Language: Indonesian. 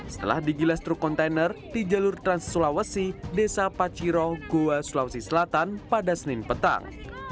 setelah digilas truk kontainer di jalur trans sulawesi desa paciro goa sulawesi selatan pada senin petang